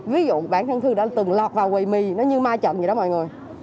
ví dụ bản thân thư đã từng lọt vào quầy mì nó như ma chậm vậy đó mọi người